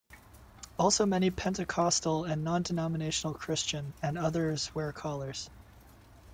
Also many Pentecostal and non-denominational Christian, and others wear collars.